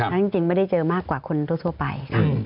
แล้วจริงไม่ได้เจอมากกว่าคนทั่วไป